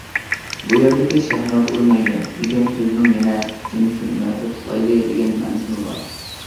« بۇ يەردىكى شاھمات ئوينايلى» دېگەن سۆزنىڭ يەنە« جىنسىي مۇناسىۋەت قىلايلى» دېگەن مەنىسىمۇ بار.